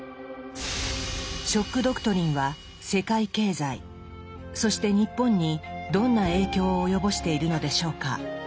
「ショック・ドクトリン」は世界経済そして日本にどんな影響を及ぼしているのでしょうか。